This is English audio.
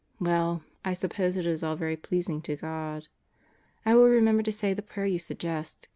. Well, I suppose it is all very pleasing to God. I will remember to say the prayer you suggest.